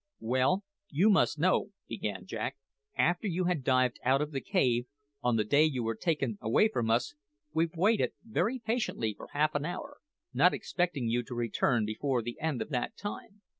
"Well, you must know," began Jack, "after you had dived out of the cave, on the day you were taken away from us, we waited very patiently for half an hour, not expecting you to return before the end of that time.